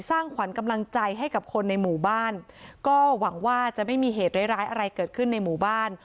สร้างขวัญกำลังใจให้กับคนในหมู่บ้านก็หวังว่าจะไม่มีเหตุร้ายร้ายอะไรเกิดขึ้นในหมู่บ้าน